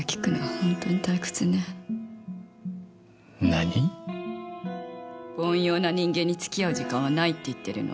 凡庸な人間に付き合う時間はないって言ってるの。